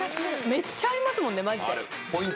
めっちゃありますもんねマジで。